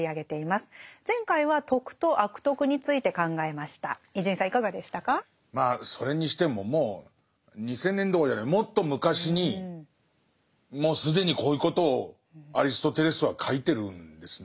まあそれにしてももう２，０００年どころじゃないもっと昔にもう既にこういうことをアリストテレスは書いてるんですね。